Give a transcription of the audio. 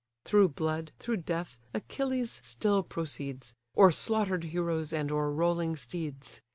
Through blood, through death, Achilles still proceeds, O'er slaughter'd heroes, and o'er rolling steeds.